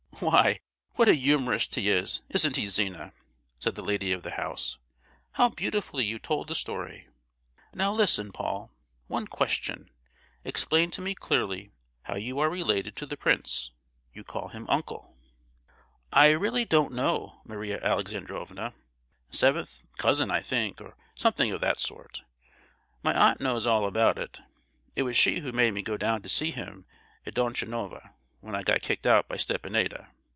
"Why, what a humourist he is, isn't he, Zina?" said the lady of the house. "How beautifully you told the story! Now, listen, Paul: one question; explain to me clearly how you are related to the prince; you call him uncle!" "I really don't know, Maria Alexandrovna; seventh, cousin I think, or something of that sort. My aunt knows all about it; it was she who made me go down to see him at Donchanova, when I got kicked out by Stepanida!